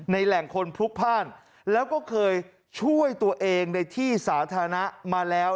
แหล่งคนพลุกพ่านแล้วก็เคยช่วยตัวเองในที่สาธารณะมาแล้ว